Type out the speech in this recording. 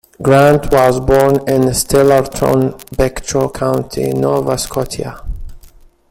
Grant was born in Stellarton, Pictou County, Nova Scotia.